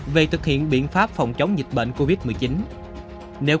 về thực hiện biện pháp phòng chống dịch bệnh covid một mươi chín